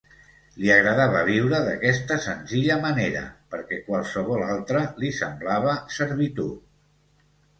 Li agradava viure d'aquesta senzilla manera, perquè qualsevol altra li semblava servitud.